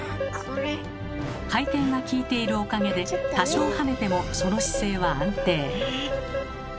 回転がきいているおかげで多少跳ねてもその姿勢は安定。